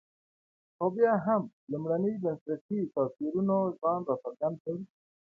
خو بیا هم لومړني بنسټي توپیرونو ځان راڅرګند کړ.